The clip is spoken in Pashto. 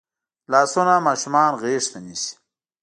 لاسونه ماشومان غېږ ته نیسي